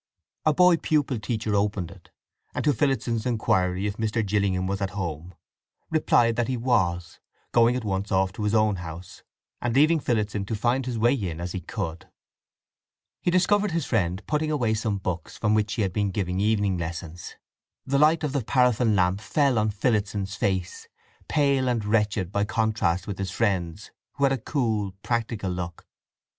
A boy pupil teacher opened it, and to Phillotson's inquiry if Mr. Gillingham was at home, replied that he was, going at once off to his own house, and leaving Phillotson to find his way in as he could. He discovered his friend putting away some books from which he had been giving evening lessons. The light of the paraffin lamp fell on Phillotson's face—pale and wretched by contrast with his friend's, who had a cool, practical look.